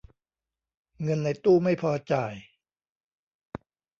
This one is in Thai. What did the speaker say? เงินในตู้ไม่พอจ่าย